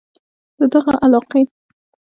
د دغه علاقې